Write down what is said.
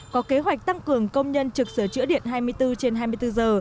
có kế hoạch tăng cường công nhân trực sửa chữa điện hai mươi bốn trên hai mươi bốn giờ